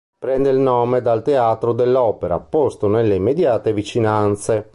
Prende il nome dal Teatro dell'Opera, posto nelle immediate vicinanze.